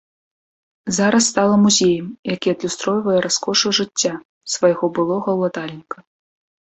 Зараз стала музеем, які адлюстроўвае раскошу жыцця свайго былога ўладальніка.